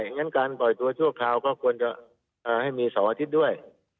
งั้นการปล่อยตัวชั่วคราวก็ควรจะให้มี๒อาทิตย์ด้วย